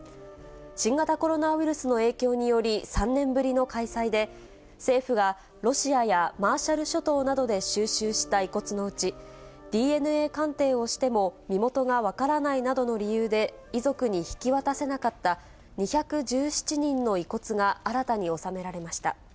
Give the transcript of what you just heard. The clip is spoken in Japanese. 新型コロナウイルスの影響により、３年ぶりの開催で、政府はロシアやマーシャル諸島などで収集した遺骨のうち、ＤＮＡ鑑定をしても身元が分からないなどの理由で遺族に引き渡せなかった２１７人の遺骨が新たに納められました。